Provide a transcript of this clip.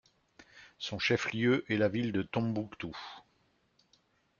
Son chef-lieu est la ville de Tombouctou.